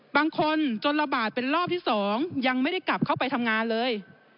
จนระบาดเป็นรอบที่๒ยังไม่ได้กลับเข้าไปทำงานเลย